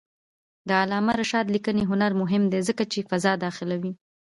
د علامه رشاد لیکنی هنر مهم دی ځکه چې فضا داخلوي.